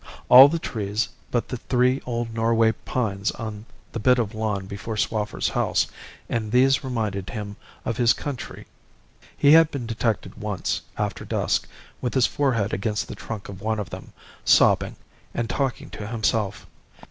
All the trees but the three old Norway pines on the bit of lawn before Swaffer's house, and these reminded him of his country. He had been detected once, after dusk, with his forehead against the trunk of one of them, sobbing, and talking to himself.